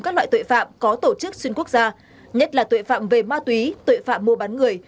các loại tội phạm có tổ chức xuyên quốc gia nhất là tội phạm về ma túy tội phạm mua bán người